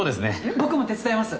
僕も手伝います。